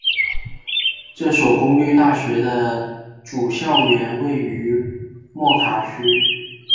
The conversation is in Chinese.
这所公立大学的主校园位于莫卡区。